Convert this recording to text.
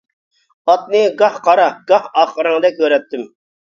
ئاتنى گاھ قارا گاھ ئاق رەڭدە كۆرەتتىم.